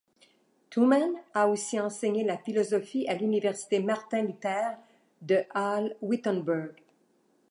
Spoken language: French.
Thunmann a aussi enseigné la philosophie à l'université Martin-Luther de Halle-Wittenberg.